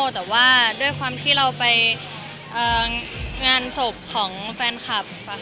แต่ว่าด้วยความที่เราไปงานศพของแฟนคลับ